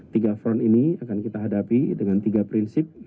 tiga front ini akan kita hadapi dengan tiga prinsip